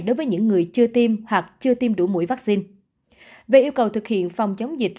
đối với những người chưa tiêm hoặc chưa tiêm đủ mũi vaccine về yêu cầu thực hiện phòng chống dịch